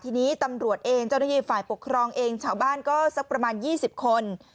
ที่นี้ตำรวจฝ่ายปกครองเองชาวบ้านสักประมาณ๒๐คน